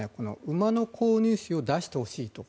馬の購入費を出してほしいと。